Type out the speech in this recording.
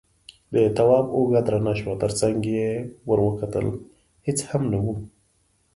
د تواب اوږه درنه شوه، تر څنګ يې ور وکتل، هېڅ هم نه و.